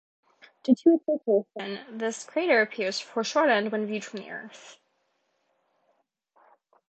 Due to its location, this crater appears foreshortened when viewed from the Earth.